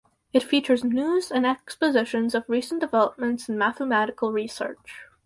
It features news and expositions of recent developments in mathematical research.